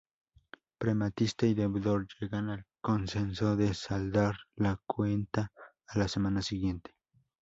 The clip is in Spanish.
Prestamista y deudor llegan al consenso de saldar la cuenta a la semana siguiente.